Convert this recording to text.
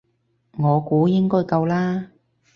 我估應該夠啦